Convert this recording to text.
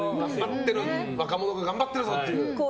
若者が頑張ってるぞっていうね。